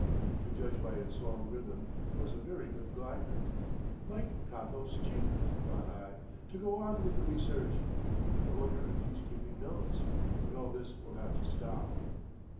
To judge by its long rhythm it was a very good glider. "Like Cothope's cheek," thought I, "to go on with the research. I wonder if he's keeping notes.... But all this will have to stop."